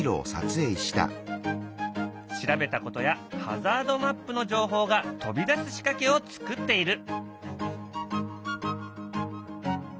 調べたことやハザードマップの情報が飛び出す仕掛けを作っている。